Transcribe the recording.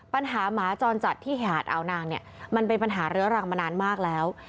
หมาจรจัดที่หาดอาวนางเนี่ยมันเป็นปัญหาเรื้อรังมานานมากแล้ว